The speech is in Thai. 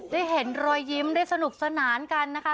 ได้เห็นรอยยิ้มได้สนุกสนานกันนะคะ